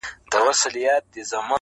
ما دي مخي ته کتلای!